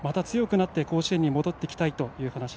また強くなって甲子園に戻ってきたいという話。